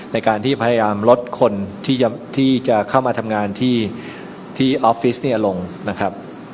ในการที่พยายามลดคนที่จะเข้ามาทำงานที่ออฟฟิศเนี่ยลงนะครับ